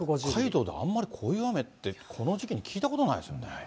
北海道であんまりこういう雨って聞いたことないですよね。